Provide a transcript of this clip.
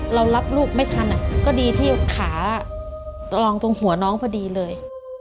เรารับลูกไม่ทันก็ดีที่ขารองตรงหัวน้องพอดีเลย